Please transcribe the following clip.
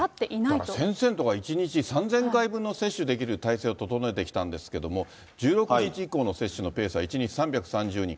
だから先生の所は１日３０００回分の接種できる体制を整えてきたんですけれども、１６日以降の接種のペースは１日３３０人。